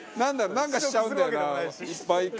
なんかしちゃうんだよな毎回。